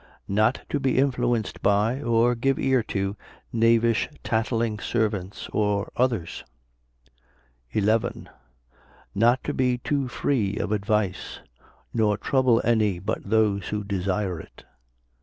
Not to be influenced by, or give ear to, knavish tattling servants, or others. 11. Not to be too free of advice, nor trouble any but those who desire it.